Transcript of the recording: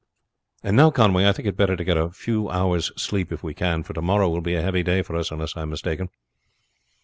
"And now, Conway, I think it better to get a few hours' sleep if we can; for to morrow will be a heavy day for us, unless I am mistaken."